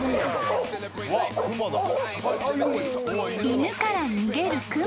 ［犬から逃げる熊］